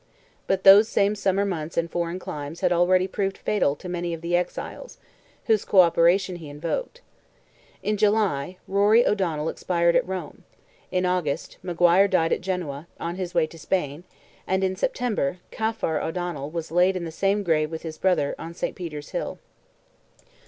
But those same summer months and foreign climes had already proved fatal to many of the exiles, whose co operation he invoked. In July, Rory O'Donnell expired at Rome, in August, Maguire died at Genoa, on his way to Spain, and in September, Caffar O'Donnell was laid in the same grave with his brother, on St. Peter's hill.